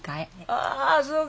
ああそうが。